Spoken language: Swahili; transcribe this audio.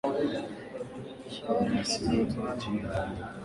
shara kati yetu inakua kwa haraka ukijumlisha